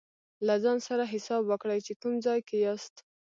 له ځان سره حساب وکړئ چې کوم ځای کې یاست.